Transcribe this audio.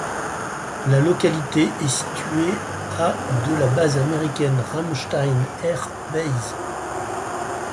La localité est située à de la base américaine Ramstein Air Base.